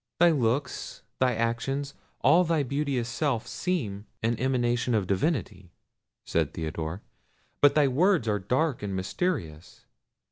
"Thy looks, thy actions, all thy beauteous self seem an emanation of divinity," said Theodore; "but thy words are dark and mysterious.